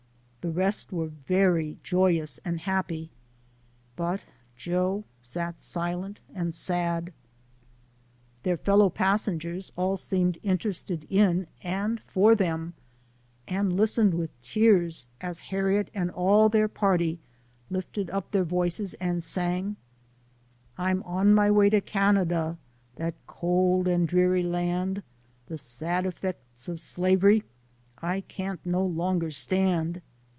The rest were very joyous and happy, "but Joe sat silent and sad. Their fellow passengers all seemed interested in and for them, and listened with tears, as Harriet and all their party lifted up their voices and sang : I'm on ray way to Canada, That cold and dreary land ; The sad effects of slavery, I can't no longer stand.